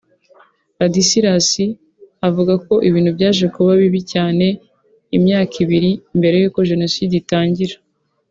Ladislas avuga ko ibintu byaje kuba bibi cyane imyaka ibiri mbere y’uko Jenoside itangira